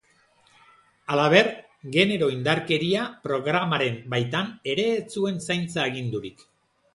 Halaber, genero indarkeria programaren baitan ere ez zuen zaintza agindurik.